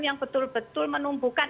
yang betul betul menumbuhkan